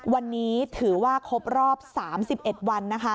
วันนี้ถือว่าครบรอบ๓๑วันนะคะ